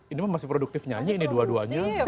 ini masih produktif nyanyi ini dua duanya